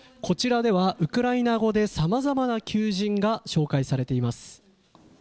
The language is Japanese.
こちらではウクライナ語でさまざまな求人が紹介されています。